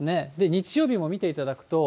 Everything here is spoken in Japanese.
日曜日も見ていただくと。